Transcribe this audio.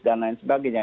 dan lain sebagainya